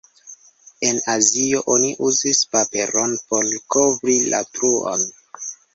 En Azio oni uzis paperon por kovri la truon.